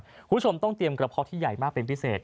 คุณผู้ชมต้องเตรียมกระเพาะที่ใหญ่มากเป็นพิเศษ